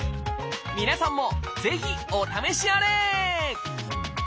皆さんもぜひお試しあれ！